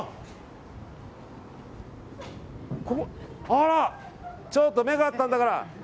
あらちょっと目が合ったんだから。